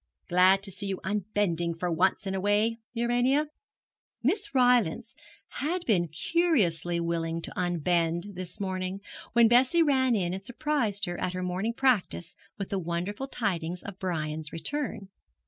Glad to see you unbending for once in a way, Urania.' Miss Rylance had been curiously willing to unbend this morning, when Bessie ran in and surprised her at her morning practice with the wonderful tidings of Brian's return.